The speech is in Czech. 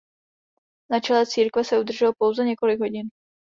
Na čele církve se udržel pouze několik hodin.